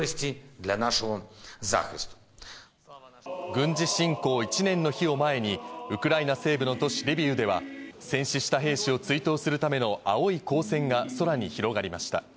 軍事侵攻１年の日を前にウクライナ西部の都市リビウでは、戦死した兵士を追悼するための青い光線が空に広がりました。